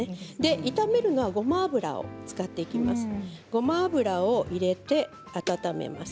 炒めるのはごま油を使っていきます。